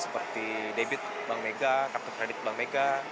seperti debit bank mega kartu kredit bank mega